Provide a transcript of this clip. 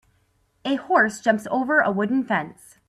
A horse jumps over a wooden fence.